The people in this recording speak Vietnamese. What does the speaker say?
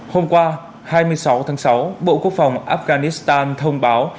hôm qua hai mươi sáu tháng sáu bộ quốc phòng afghanistan thông báo